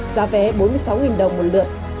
giá vé bốn mươi sáu đồng một lượt